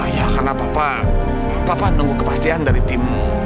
ya karena papa papa nunggu kepastian dari tim